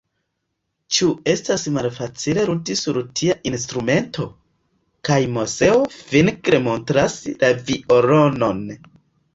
Ĉu estas malfacile ludi sur tia instrumento? kaj Moseo fingre montras la violonon.